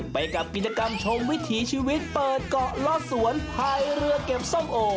ไปกับกิจกรรมชมวิถีชีวิตเปิดเกาะล่อสวนภายเรือเก็บส้มโอ